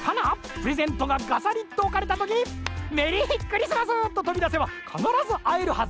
プレゼントがガサリッとおかれたときに「メリークリスマス！」ととびだせばかならずあえるはず。